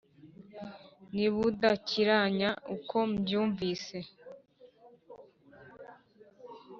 ni budakiranya uko mbyumkvise.